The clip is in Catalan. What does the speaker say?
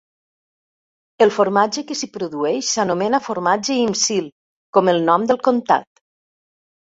El formatge que s'hi produeix s'anomena formatge Imsil, com el nom del comtat.